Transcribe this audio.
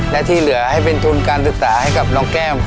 และที่เหลือให้เป็นทุนการศึกษาให้กับน้องแก้ม